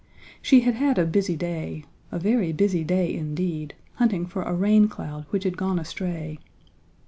She had had a busy day, a very busy day indeed, hunting for a rain cloud which had gone astray.